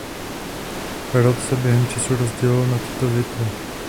Rod se během času rozdělil na tyto větve.